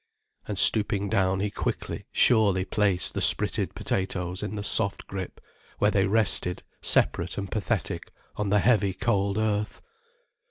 And stooping down he quickly, surely placed the spritted potatoes in the soft grip, where they rested separate and pathetic on the heavy cold earth.